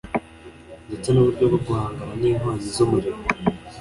ndetse n´uburyo bwo guhangana n´inkongi z´umuriro